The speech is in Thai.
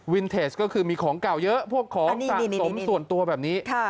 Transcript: เทสก็คือมีของเก่าเยอะพวกของสะสมส่วนตัวแบบนี้